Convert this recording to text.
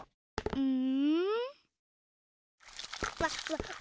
うん？